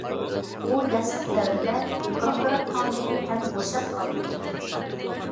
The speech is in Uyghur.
ئۇ ياشلىق دەۋرىدە گاڭگىراپ قالمىدى ھەم بوشاپ قالمىدى.